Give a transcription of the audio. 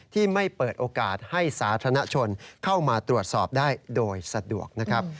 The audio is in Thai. ที่ไม่เปิดโอกาสให้สาธารณชนเข้ามาตรวจสอบได้โดยสะดวกนะครับ